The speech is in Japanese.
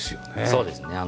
そうですね。